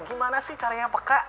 gimana sih caranya peka